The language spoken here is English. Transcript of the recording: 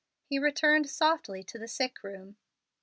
He returned softly to the sick room.